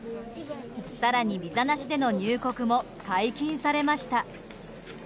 更に、ビザなしでの入国も解禁されました。